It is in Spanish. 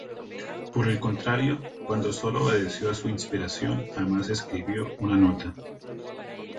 Por el contrario, cuando sólo obedeció a su inspiración, jamás escribió una nota.